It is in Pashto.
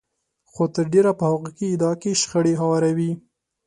خو تر ډېره په حقوقي ادعا کې شخړې هواروي.